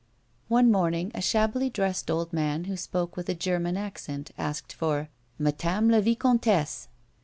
One morning, a shabbily dressed old man who spoke with a German accent asked for, "Matame la vicomtesse."